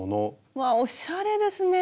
うわおしゃれですね。